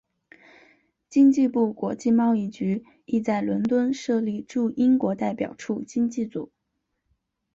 经济部国际贸易局亦在伦敦设立驻英国代表处经济组。